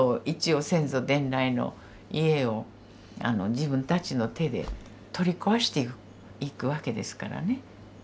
一応先祖伝来の家を自分たちの手で取り壊していくわけですからね。